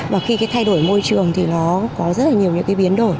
và khi thay đổi môi trường thì nó có rất nhiều biến đổi